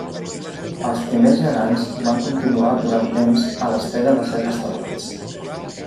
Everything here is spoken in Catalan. Els primers gegants van continuar durant temps a l'espera de ser restaurats.